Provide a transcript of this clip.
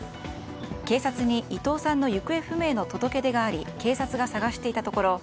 警察に伊藤さんの行方不明の届け出があり警察が捜していたところ